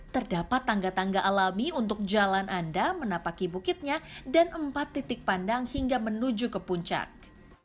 terdapat tangga tangga alami untuk jalan anda menapaki bukitnya dan empat titik pandang hingga menuju ke puncak